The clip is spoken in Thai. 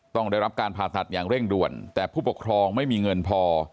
ต้องได้รับการผ่าตัดอย่างเร่งด่วนแต่ผู้ปกครองไม่มีเงินพอ